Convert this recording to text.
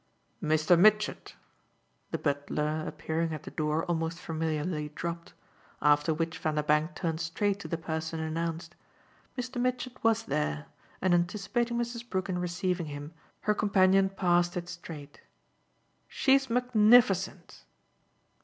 "Mr. Mitchett!" the butler, appearing at the door, almost familiarly dropped; after which Vanderbank turned straight to the person announced. Mr. Mitchett was there, and, anticipating Mrs. Brook in receiving him, her companion passed it straighten. "She's magnificent!"